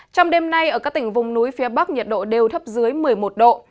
trong đêm nay ở các tỉnh vùng núi phía bắc nhiệt độ đều thấp dưới một mươi một độ